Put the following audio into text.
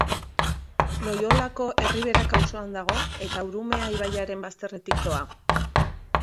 Loiolako Erriberak auzoan dago eta Urumea ibaiaren bazterretik doa.